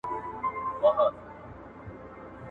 باران خپل وخت لري.